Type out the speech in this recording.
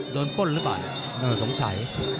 ป้นหรือเปล่าสงสัย